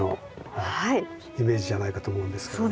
イメージじゃないかと思うんですけれども。